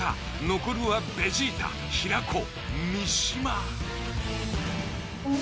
残るはベジータ平子三島。